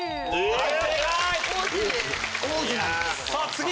はい。